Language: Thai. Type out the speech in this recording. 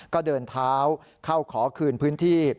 ก็เดินเท้าเข้าขอคืนพื้นที่